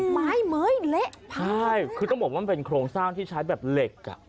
ไม้เม้ยเละพาดเลยเหรอค่ะใช่คือต้องบอกว่ามันเป็นโครงสร้างที่ใช้แบบเหล็ก